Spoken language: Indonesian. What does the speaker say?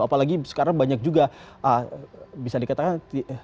apalagi sekarang banyak juga bisa dikatakan